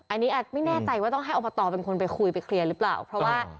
อันนี้ไม่แน่ใจว่าต้องให้อบตเป็นคนไปคุยไปเคลียร์หรือเปล่าเพราะว่า